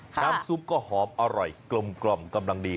น้ำซุปก็หอมอร่อยกลมกำลังดี